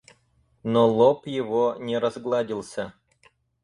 Но лоб его не разгладился.